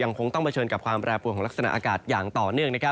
คงต้องเผชิญกับความแปรปวนของลักษณะอากาศอย่างต่อเนื่อง